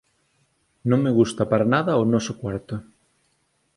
Non me gusta para nada o noso cuarto.